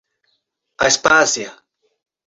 Aspásia